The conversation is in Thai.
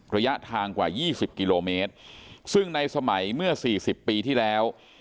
ระยะทางกว่า๒๐กิโลเมตรซึ่งในสมัยเมื่อสี่สิบปีที่แล้ว